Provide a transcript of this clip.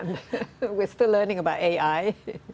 dan kita masih belajar tentang ai